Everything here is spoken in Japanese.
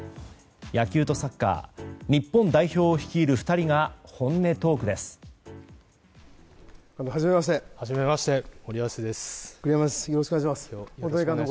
野球とサッカー日本代表を率いる２人が本音トークです。